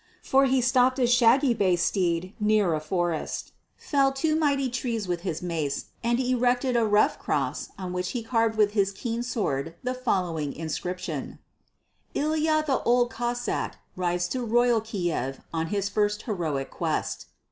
For he stopped his shaggy bay steed near a forest, felled two mighty trees with his mace, and erected a rough cross on which he carved with his keen sword the following inscription: "Ilya the Old Cossáck rides to Royal Kiev on his first heroic quest."